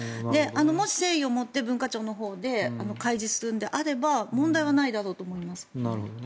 もし誠意をもって文化庁のほうで開示するのであれば問題はないだろうと思います。